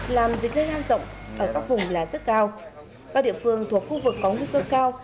làm dịch lây lan rộng ở các vùng là rất cao các địa phương thuộc khu vực có nguy cơ cao